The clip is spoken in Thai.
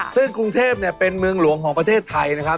ซึ่งกรุงเทพเป็นเมืองหลวงของประเทศไทยนะครับ